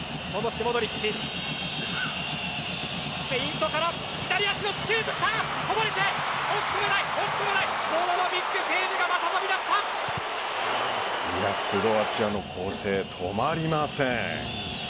クロアチアの攻勢が止まりません。